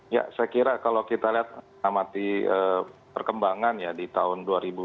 ya saya kira kalau kita lihat amati perkembangan ya di tahun dua ribu dua puluh